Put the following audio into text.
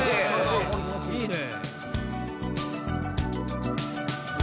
いいね！